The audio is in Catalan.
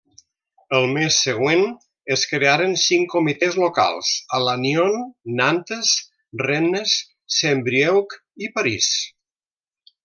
El mes següent es crearen cinc comitès locals a Lannion, Nantes, Rennes, Saint-Brieuc i París.